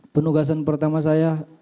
penugasan pertama saya